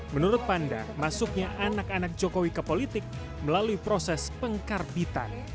menurut panda masuknya anak anak jokowi ke politik melalui proses pengkarbitan